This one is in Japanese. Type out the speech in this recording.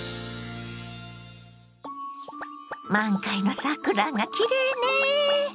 満開の桜がきれいね。